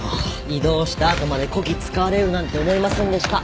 異動した後までこき使われるなんて思いませんでした。